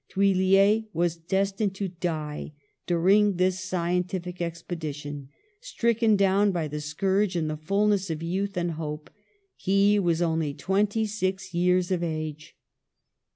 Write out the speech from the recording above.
Thuillier was destined to die during this scientific expedition, stricken down by the scourge in the fullness of youth and hope ; he was only twenty six years of age.